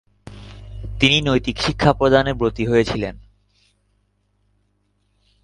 তিনি নৈতিক শিক্ষা প্রদানে ব্রতী হয়েছিলেন।